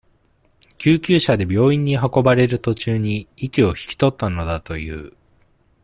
救急車で病院に運ばれる途中に、息を引き取ったのだという。